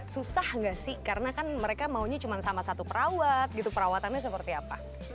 susah nggak sih karena kan mereka maunya cuma sama satu perawat gitu perawatannya seperti apa